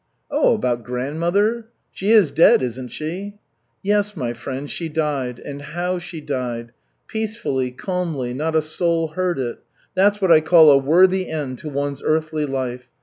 "Oh, about grandmother? She is dead, isn't she?" "Yes, my friend, she died. And how she died! Peacefully, calmly, not a soul heard it. That's what I call a worthy end to one's earthly life.